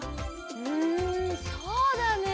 うんそうだね。